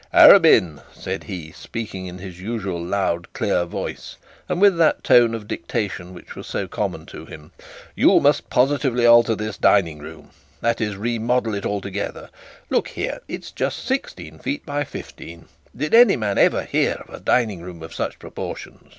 'Arabin,' said he, speaking in his usual loud clear voice, and with that tone of dictation which was so common to him; 'you must positively alter this dining room, that is, remodel it altogether; look here, it is just sixteen feet by fifteen; did anybody ever hear of a dining room of such proportions?'